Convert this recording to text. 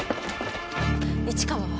市川は？